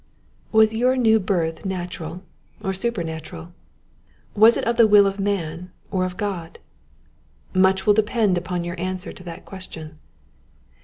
Was your new birth natural or supernatural ? Was it of the will of man or of God ? Much will depend upon your answer to that question.